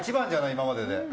今までで。